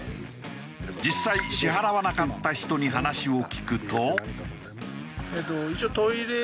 実際支払わなかった人に話を聞くと。